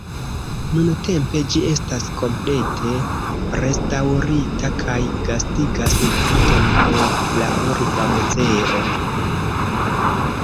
Nuntempe ĝi estas komplete restaŭrita kaj gastigas parton ed la urba muzeo.